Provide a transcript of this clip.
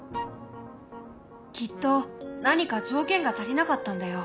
きっと何か条件が足りなかったんだよ。